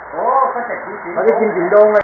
ขอโทษฟังนะ